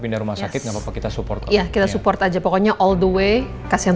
pindah rumah sakit gak apa apa kita support ya kita support aja pokoknya all the way kasih yang